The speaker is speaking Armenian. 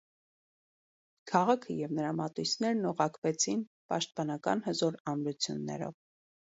Քաղաքը և նրա մատույցներն օղակվեցին պաշտպանական հզոր ամրություններով։